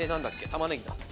玉ねぎだ」